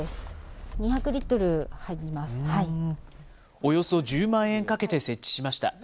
およそ１０万円かけて設置しました。